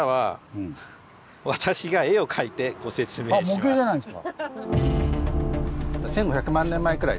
あ模型じゃないんですか。